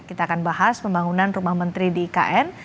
kita akan bahas pembangunan rumah menteri di ikn